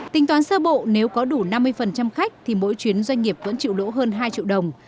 tính toán sơ bộ nếu có đủ năm mươi khách thì mỗi chuyến doanh nghiệp vẫn chịu lỗ hơn hai triệu đồng